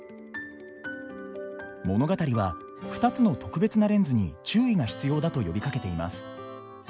物語は２つの特別なレンズに注意が必要だと呼びかけています。